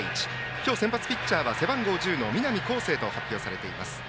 今日先発ピッチャーは背番号１０の南恒誠と発表されています。